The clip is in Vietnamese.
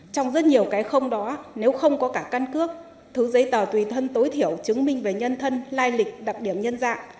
trong rất nhiều cái không đó nếu không có cả căn cước thứ giấy tờ tùy thân tối thiểu chứng minh về nhân thân lai lịch đặc điểm nhân dạng